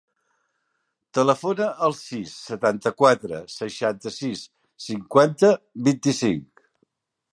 Telefona al sis, setanta-quatre, seixanta-sis, cinquanta, vint-i-cinc.